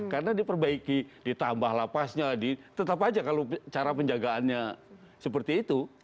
karena diperbaiki ditambah lapasnya tetap aja kalau cara penjagaannya seperti itu